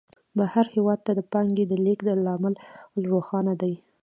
بهر هېواد ته د پانګې د لېږد لامل روښانه دی